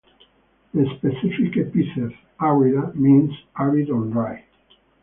The specific epithet ("arida") means "arid or dry".